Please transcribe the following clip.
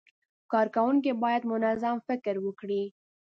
کارکوونکي باید منظم فکر وکړي.